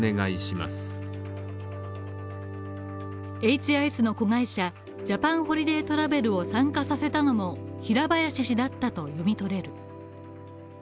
ＨＩＳの子会社ジャパンホリデートラベルを参加させたのも平林氏だったと読み取れる。